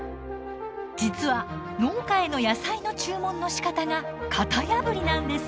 実は農家への野菜の注文のしかたが型破りなんです。